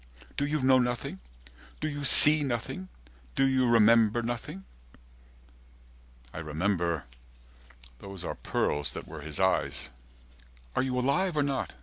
120 "Do "You know nothing? Do you see nothing? Do you remember "Nothing?" I remember Those are pearls that were his eyes. "Are you alive, or not?